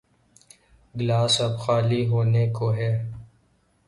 Glass اب خالی ہونے کو ہے۔